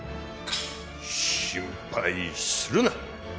心配するな。